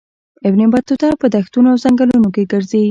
ابن بطوطه په دښتونو او ځنګلونو کې ګرځي.